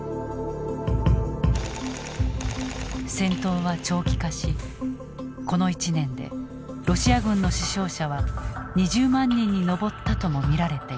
戦闘は長期化しこの１年でロシア軍の死傷者は２０万人に上ったとも見られている。